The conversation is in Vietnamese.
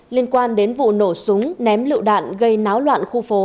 liên quan đến vụ nổ súng ném lựu đạn gây náo loạn khu phố